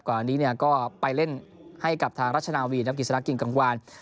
ก่อนอันนี้เนี่ยก็ไปเล่นให้กับทางรัชนาวีนักกิจสนักกิ่งกลางวาน